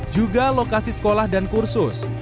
juga lokasi sekolah dan kursus